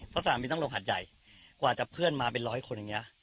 เพราะสนามบินต้องลงหัดใหญ่กว่าจะเพื่อนมาเป็นร้อยคนอย่างนี้